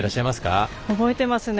覚えていますね。